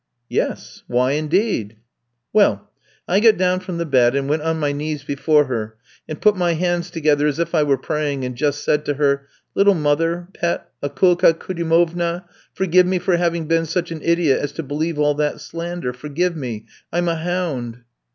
"Yes, why, indeed?" "Well, I got down from the bed, and went on my knees before her, and put my hands together as if I were praying, and just said to her, 'Little mother, pet, Akoulka Koudimovna, forgive me for having been such an idiot as to believe all that slander; forgive me. I'm a hound!'